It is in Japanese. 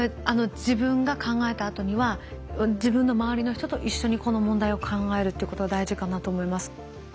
自分が考えたあとには自分の周りの人と一緒にこの問題を考えるってことが大事かなと思います。